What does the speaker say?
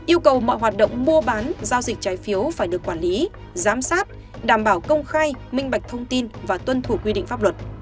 yêu cầu mọi hoạt động mua bán giao dịch trái phiếu phải được quản lý giám sát đảm bảo công khai minh bạch thông tin và tuân thủ quy định pháp luật